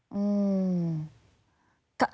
อืม